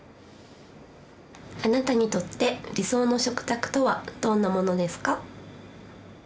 あなたにとって理想の食卓とはどんなものですか？